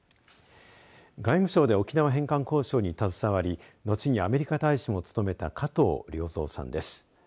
外務省で沖縄返還交渉に携わり後にアメリカ大使も務めた加藤良三さんです。